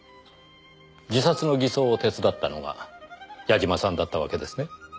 自殺の偽装を手伝ったのが矢嶋さんだったわけですね。